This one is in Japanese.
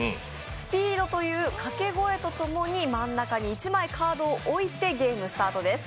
スピードというかけ声とともに真ん中に１枚カードを置いてゲームスタートです。